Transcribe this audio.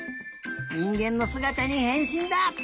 にんげんのすがたにへんしんだ！